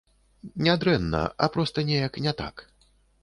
Не дрэнна, а проста неяк не так.